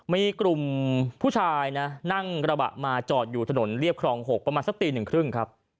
มีกลุ่มผู้ชายนะนั่งกระบะมาจอดอยู่ถนนเรียบครอง๖ประมาณสักตีหนึ่งครึ่งครับ